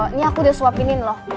ini aku udah swapinin loh